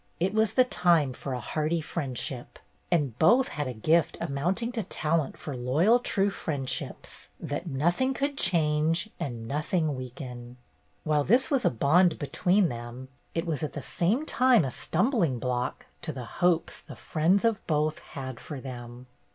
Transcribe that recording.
It was the time for hearty friendship, and both had a gift amounting to talent for loyal true friendships, that nothing could change and nothing weaken. While this was a bond between them it was at the same time a stumbling block to the hopes the friends of both had for them.